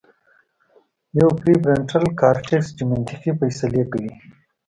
يوه پري فرنټل کارټيکس چې منطقي فېصلې کوي